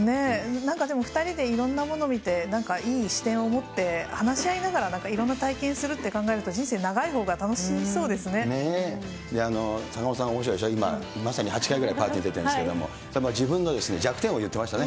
なんか、でも２人でいろんなものを見て、なんかいい視点を持って、話し合いながらいろんな体験するって考えると、人生長いほうが楽坂本さん、おもしろいでしょ、今、まさに８回ぐらいパーティー出てるんですけど、自分の弱点を言ってましたね。